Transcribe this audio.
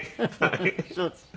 そうですか。